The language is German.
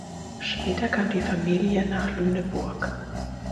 Später kam die Familie nach Lüneburg.